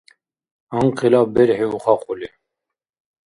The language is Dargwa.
Анкъилаб берхӏи ухахъули